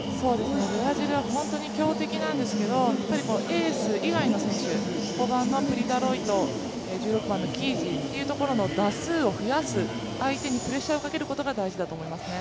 ブラジルは本当に強敵なんですけれどもエース以外の選手、５番のプリ・ダロイト、１６番のキージの打数を増やす、相手にプレッシャーをかけることが大事だと思いますね。